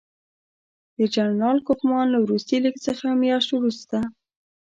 د جنرال کوفمان له وروستي لیک څه میاشت وروسته.